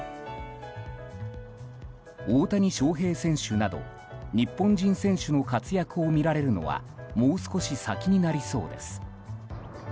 大谷翔平選手など日本人選手の活躍を見られるのはもう少し先になりそうです。